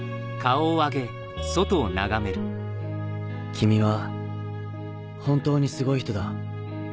君は本当にすごい人だ